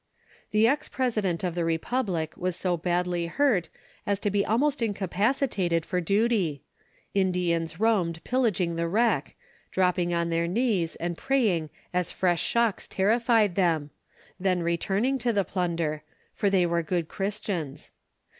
The ex president of the republic was so badly hurt as to be almost incapacitated for duty. Indians roamed pillaging the wreck, dropping on their knees and praying as fresh shocks terrified them; then returning to the plunder; for they were good Christians.